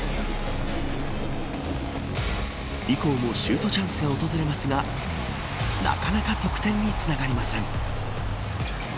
以降もシュートチャンスが訪れますがなかなか得点につながりません。